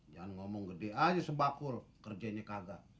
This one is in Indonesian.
jangan ngomong gede aja sebakul kerjanya kagak